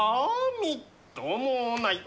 みっともない。